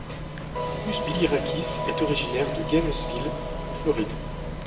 Gus Bilirakis est originaire de Gainesville en Floride.